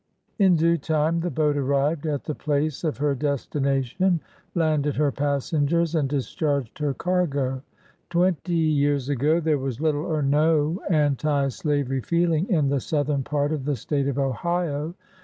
In due time, the boat arrived at the place of her des tination, landed her passengers, and discharged her cargo. Twenty years ago, there was little or no anti slavery feeling in the southern part of the State of Ohio.